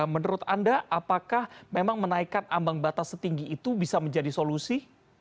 menurut anda apakah memang menaikkan ambang batas setinggi itu bisa menjadi solusi